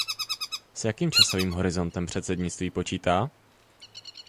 S jakým časovým horizontem předsednictví počítá?